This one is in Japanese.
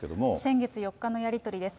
先月４日のやり取りです。